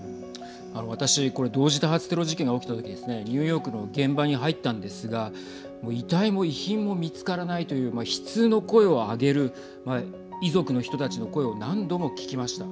私これ同時多発テロ事件が起きた時ですねニューヨークの現場に入ったんですが遺体も遺品も見つからないという悲痛の声を上げる遺族の人たちの声を何度も聞きました。